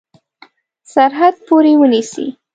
سرحد پوري ونیسي.